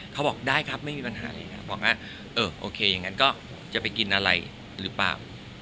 เขาบอกได้ครับไม่มีปัญหาอะไรอย่างนี้บอกว่าเออโอเคอย่างนั้นก็จะไปกินอะไรหรือเปล่า